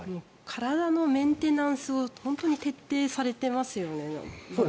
体のメンテナンスを本当に徹底されていますよね。